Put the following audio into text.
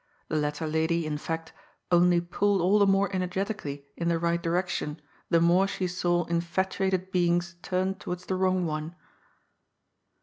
The latter lady, in fact, only pulled all the more energetically in the right direction, the more she saw infatuated beings turn towards the wrong one.